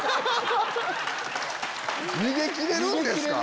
逃げ切れるんですか？